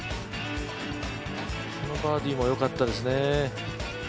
このバーディーもよかったですね。